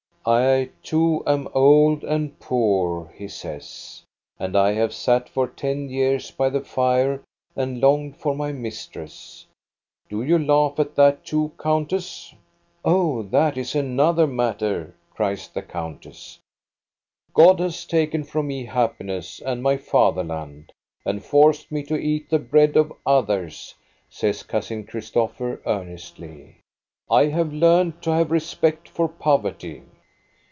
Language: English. " I, too, am old and poor," he says, " and I have sat for ten years by the fire and longed for my mis tress. Do you laugh at that too, countess ?"" Oh, that is another matter," cries the countess. " God has talcen from me happiness and my father land, and forced me to eat the bread of others," says Cousin Christopher, earnestly. " I have learned to have respect for poverty."